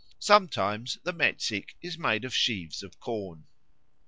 Sometimes the Metsik is made of sheaves of corn.